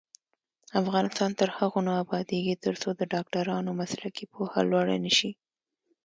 افغانستان تر هغو نه ابادیږي، ترڅو د ډاکټرانو مسلکي پوهه لوړه نشي.